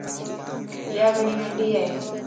يا گھڙي ننڍيءَ